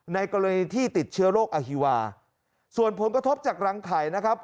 ในกรณีที่ติดเชื้อโรคอฮีวาส่วนผลกระทบจากรังไข่นะครับ